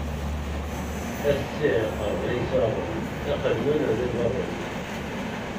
A ssiεqa ay iṣaṛen: aqelmun ar iḍaṛṛen!